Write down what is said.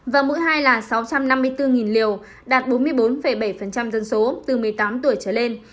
và mỗi hai là sáu trăm năm mươi bốn liều đạt bốn mươi bốn bảy dân số từ một mươi tám tuổi trở lên